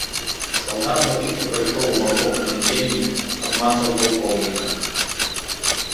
Салдат рашуча пайшоў у акопную цемень, абмацаў палкоўніка.